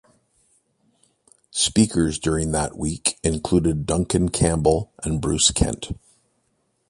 Speakers during that week included Duncan Campbell and Bruce Kent.